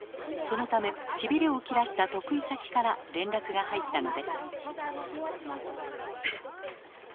そのためシビレを切らした得意先から連絡が入ったのです。